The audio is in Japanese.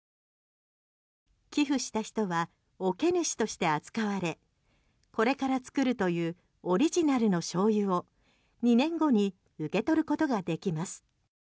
寄付した人は桶主として扱われこれから作るというオリジナルのしょうゆを２年後に受け取ることができます。